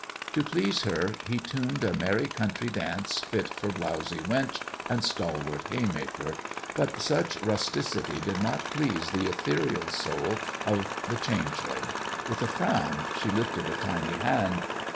To please her he tuned a merry country dance fit for blowsy wench and stalwart haymaker; but such rusticity did not please the ethereal soul of the changeling. With a frown she lifted a tiny hand.